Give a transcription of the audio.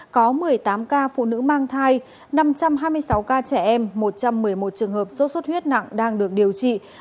có một mươi tám ca phụ nữ mang thai năm trăm hai mươi sáu ca trẻ em một trăm một mươi một trường hợp sốt xuất huyết nặng đang được điều trị